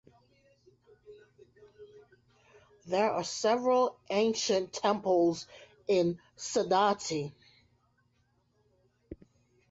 There are several ancient temples in Saudatti.